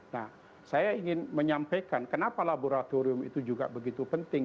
nah saya ingin menyampaikan kenapa laboratorium itu juga begitu penting